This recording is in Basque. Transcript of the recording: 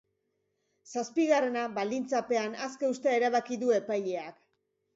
Zazpigarrena baldintzapean aske uztea erabaki du epaileak.